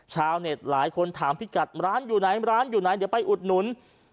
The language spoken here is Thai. ชาวเน็ตหลายคนถามพี่กัดร้านอยู่ไหนร้านอยู่ไหนเดี๋ยวไปอุดหนุน